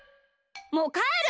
もうかえる！